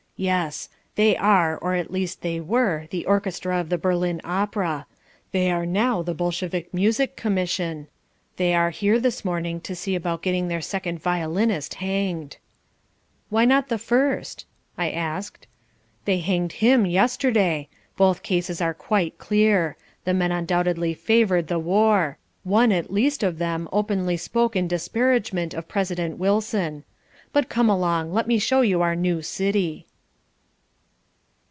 "Yes. They are, or at least they were, the orchestra of the Berlin Opera. They are now the Bolshevik Music Commission. They are here this morning to see about getting their second violinist hanged." "Why not the first?" I asked. "They had him hanged yesterday. Both cases are quite clear. The men undoubtedly favoured the war: one, at least, of them openly spoke in disparagement of President Wilson. But come along. Let me show you our new city."